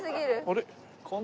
あれ？